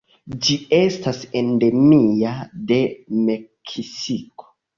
Ĝi estas endemia de Meksiko.